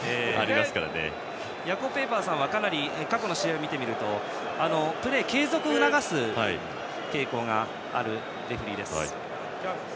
ヤコ・ペイパーさんは過去の試合を見るとプレー継続を促す傾向があるレフリーです。